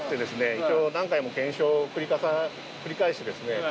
一応何回も検証を繰り返してですね